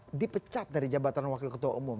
kemudian dipecat dari jabatan wakil ketua umum